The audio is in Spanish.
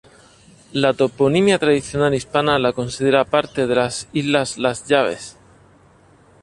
La toponimia tradicional hispana la considera parte de las "islas Las Llaves".